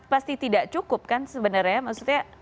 pasti tidak cukup kan sebenarnya maksudnya